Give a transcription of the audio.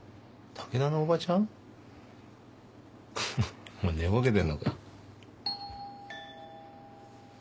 竹田のおばちゃん？お前寝ぼけてんのか？